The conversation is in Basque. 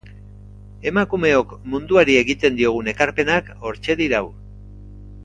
Emakumeok munduari egiten diogun ekarpenak hortxe dirau.